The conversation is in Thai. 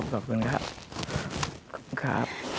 ขอบคุณครับ